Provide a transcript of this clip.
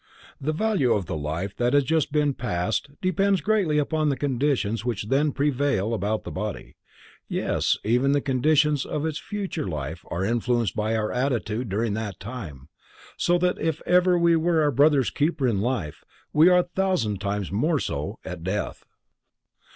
The value of the life that has just been passed depends greatly upon conditions which then prevail about the body; yes even the conditions of its future life are influenced by our attitude during that time, so that if ever we were our brother's keeper in life, we are a thousand times more so at death.